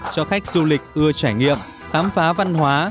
cho khách du lịch ưa trải nghiệm khám phá văn hóa